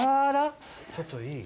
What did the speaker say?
ちょっといい？